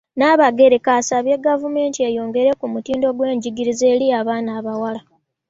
Nnaabagereka asabye gavumenti eyongere ku mutindo gw'ebyenjigiriza eri abaana ab'obuwala.